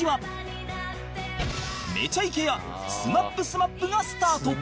『めちゃイケ』や『ＳＭＡＰ×ＳＭＡＰ』がスタート